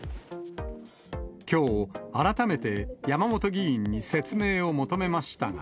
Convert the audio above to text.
きょう、改めて山本議員に説明を求めましたが。